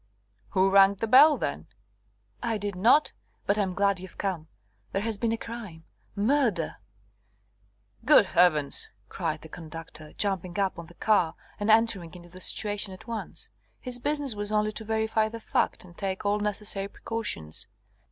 "Who rang the bell, then?" "I did not. But I'm glad you've come. There has been a crime murder." "Good Heavens!" cried the conductor, jumping up on to the car, and entering into the situation at once. His business was only to verify the fact, and take all necessary precautions.